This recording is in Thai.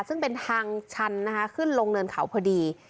ซึ่งเป็นทางชันนะคะขึ้นลงเนินเขาพอดี